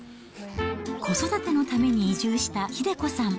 子育てのために移住した英子さん。